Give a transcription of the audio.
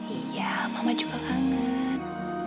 iya mama juga kangen